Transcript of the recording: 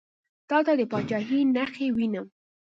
تاته د پاچهي نخښې وینم.